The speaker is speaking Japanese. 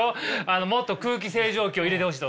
もっと空気清浄機を入れてほしいとかそういうこと？